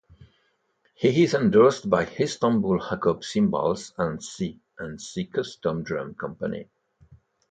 He is endorsed by Istanbul Agop Cymbals and C and C Custom Drum Company.